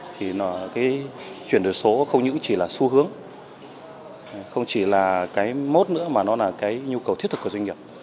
thì cái chuyển đổi số không những chỉ là xu hướng không chỉ là cái mốt nữa mà nó là cái nhu cầu thiết thực của doanh nghiệp